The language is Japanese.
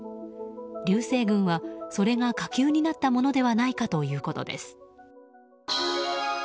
流星群はそれが火球になったものではないかということです。